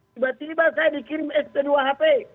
tiba tiba saya dikirim sp dua hp